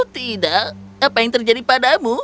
tidak apa yang terjadi padamu